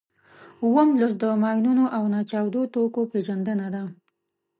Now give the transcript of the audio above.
اووم لوست د ماینونو او ناچاودو توکو پېژندنه ده.